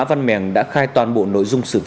vị hyun hyesu